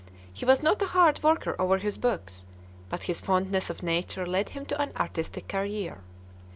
He was not a hard worker over his books, but his fondness for nature led him to an artist's career.